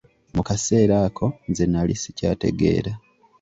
Mu kaseera ako, nze nali sikyategeera.